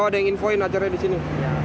oh ada yang infoin acaranya di sini